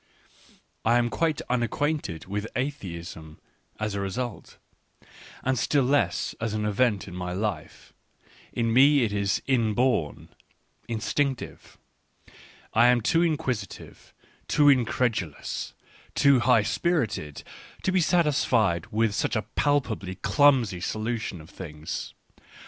— I am quite un acquainted with atheism as a result, and still less Digitized by Google WHY I AM SO CLEVER 29 as an event in my life : in me it is inborn, instinc | tive. I am too inquisitive, too incredulous, too high spirited, to be satisfied with such a palpably clumsy solution of things.